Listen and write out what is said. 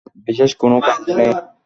বিশেষ কোনও কারণ নেই।